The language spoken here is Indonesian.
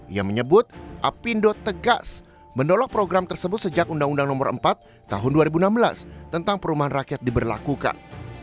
ia menyebut apindo tegas menolak program tersebut sejak undang undang nomor empat tahun dua ribu enam belas tentang perumahan rakyat diberlakukan